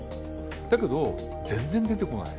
だけど全然出てこない。